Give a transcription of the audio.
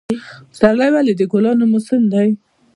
پسرلی ولې د ګلانو موسم دی؟